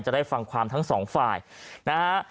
จะได้ฟังความทั้งสองฝ่ายนะฮะ